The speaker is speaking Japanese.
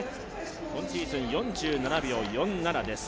今シーズン４７秒４７です。